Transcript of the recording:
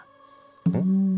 うん？